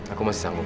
aku masih sanggup